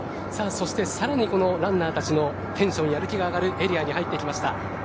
そしてさらにこのランナーたちのテンション、やる気が上がるエリアに入ってきました。